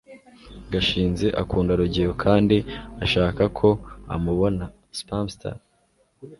gashinzi akunda rugeyo kandi ashaka ko amubona (spamster